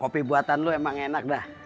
kopi buatan lo emang enak dah